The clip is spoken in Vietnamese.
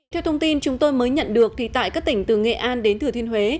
theo thông tin chúng tôi mới nhận được thì tại các tỉnh từ nghệ an đến thừa thiên huế